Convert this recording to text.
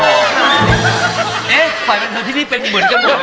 เอ๊ะฝ่ายบรรเทิร์นที่พี่เป็นเหมือนกันบ้าง